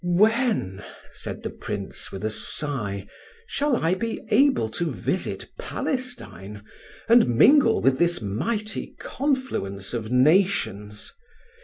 "When," said the Prince with a sigh, "shall I be able to visit Palestine, and mingle with this mighty confluence of nations?